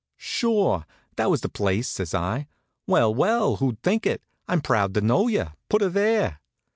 "Sure! That was the place," says I. "Well, well! Who'd think it? I'm proud to know you. Put 'er there."